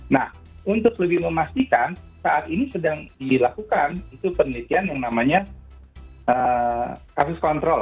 nah untuk lebih memastikan saat ini sedang dilakukan itu penelitian yang namanya kasus kontrol